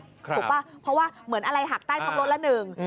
ถูกป่ะเพราะว่าเหมือนอะไรหักใต้ท้องรถละหนึ่ง